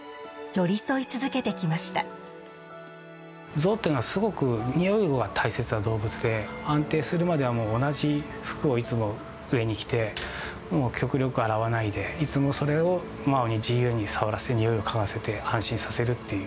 ゾウというのはすごくにおいが大切な動物で安定するまでは同じ服をいつも上に着て極力洗わないでいつもそれをマオに自由に触らせにおいを嗅がせて安心させるという。